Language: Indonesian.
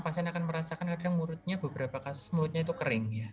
pasien akan merasakan kadang mulutnya beberapa kasus mulutnya itu kering ya